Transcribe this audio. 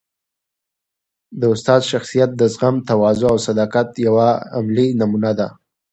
د استاد شخصیت د زغم، تواضع او صداقت یوه عملي نمونه ده.